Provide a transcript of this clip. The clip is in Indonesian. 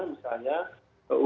misalnya uber itu